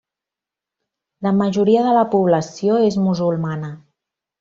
La majoria de la població és musulmana.